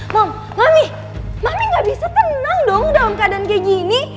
mom mami mami gak bisa tenang dong dalam keadaan kayak gini